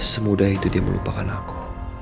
semudah itu dia melupakan aku